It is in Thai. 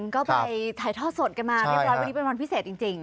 ก็ไปถ่ายทอดสดกันมาเรียบร้อยวันนี้เป็นวันพิเศษจริง